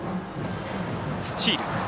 スチール。